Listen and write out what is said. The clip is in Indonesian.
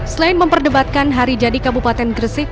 selain memperdebatkan hari jadi kabupaten gresik